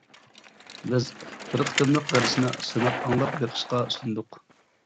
بىز بىر قېتىملىق دەرسىنى سىناپ ئاڭلاپ بېقىشقا سۇندۇق.